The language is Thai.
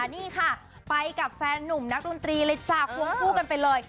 นี่ค่ะไปกับแฟนหนุ่มนักดนตรีเลยจ้ะควงคู่กันไปเลย